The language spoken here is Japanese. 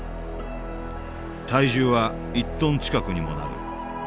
体重は１トン近くにもなる。